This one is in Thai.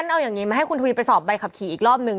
เอาอย่างนี้มาให้คุณทวีไปสอบใบขับขี่อีกรอบนึง